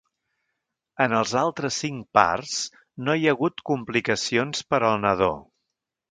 En els altres cinc parts no hi ha hagut complicacions per al nadó.